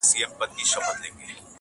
چي زاغان مي خوري ګلشن او غوټۍ ورو ورو-